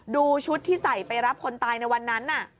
ดูชุดที่ใส่ไปรับคนตายในวันนั้น